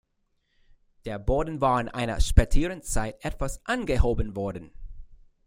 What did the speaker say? Der Boden war in einer späteren Zeit etwas angehoben worden.